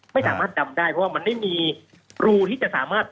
ไม่สามารถดำได้เพราะว่ามันไม่มีรูที่จะสามารถ